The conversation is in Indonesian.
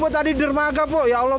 astagfirullahaladzim ya allah